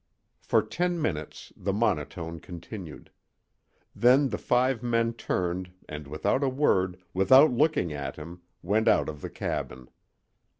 For ten minutes the monotone continued. Then the five men turned and without a word, without looking at him, went out of the cabin.